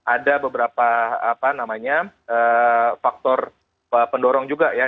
ada beberapa faktor pendorong juga ya